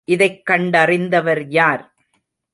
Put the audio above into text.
இதைக் கண்டறிந்தவர் யார்?